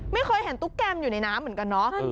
ไม่เคยเห็นตุ๊กแกมอยู่ในน้ำเหมือนกันเนาะ